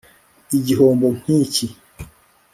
igihombo nkiki